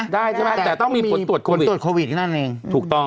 ได้ใช่ไหมแต่ต้องมีผลตรวจโควิดผลตรวจโควิดอยู่ข้างหน้านั่นเองถูกต้อง